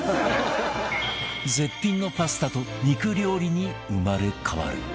絶品のパスタと肉料理に生まれ変わる